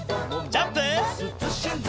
ジャンプ！